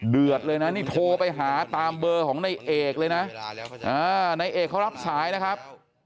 เดือดเลยนะนี่โทรไปหาตามเบอร์ของนายเอกเลยนะในเอกเขารับสายนะครับ